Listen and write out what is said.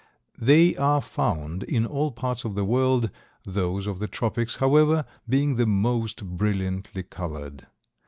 They are found in all parts of the world, those of the tropics, however, being the most brilliantly colored.